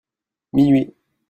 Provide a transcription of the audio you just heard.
Minuit.